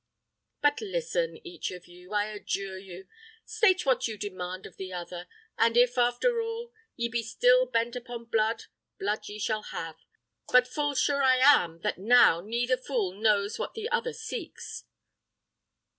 But listen, each of you, I adjure you: state what you demand of the other; and if, after all, ye be still bent upon blood, blood ye shall have. But full sure am I that now neither fool knows what the other seeks."